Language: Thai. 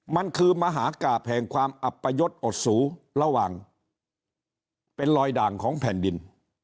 มันคือมหากราบแห่งความอัปยศอดสูระหว่างเป็นลอยด่างของแผ่นดิน